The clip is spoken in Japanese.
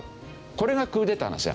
これがクーデターなんですよ。